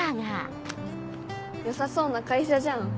良さそうな会社じゃん。